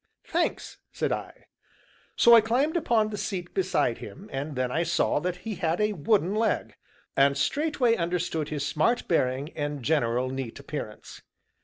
"Thanks!" said I. So I climbed upon the seat beside him, and then I saw that he had a wooden leg, and straightway understood his smart bearing, and general neat appearance.